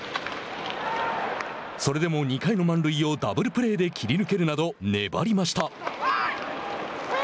それでも２回の満塁をダブルプレーで切り抜けるなど粘りました。